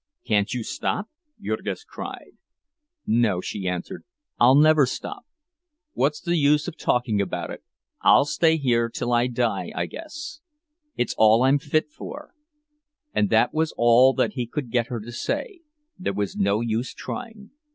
"Can't you stop?" Jurgis cried. "No," she answered, "I'll never stop. What's the use of talking about it—I'll stay here till I die, I guess. It's all I'm fit for." And that was all that he could get her to say—there was no use trying.